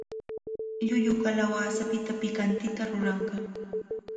Llullu kalawasapita pikantita ruranqa.